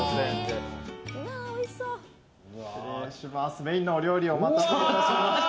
メインのお料理お待たせいたしました。